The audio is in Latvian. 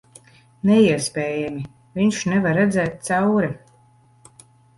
Neiespējami. Viņš nevar redzēt cauri...